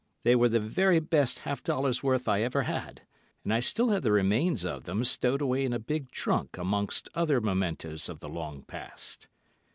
They were the very best half dollar's worth I ever had, and I still have the remains of them stowed away in a big trunk amongst other mementos of the long past.